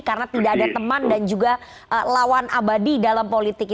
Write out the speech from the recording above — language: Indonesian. karena tidak ada teman dan juga lawan abadi dalam politik